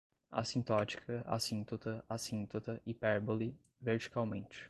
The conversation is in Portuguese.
assintótica, assintota, assíntota, hipérbole, verticalmente